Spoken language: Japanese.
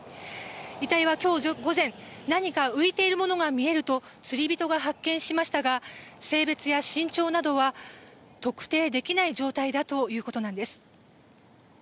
遺体は今日午前何か浮いているものが見えると釣り人が発見しましたが性別や身長などは特定できない状態だということなんです。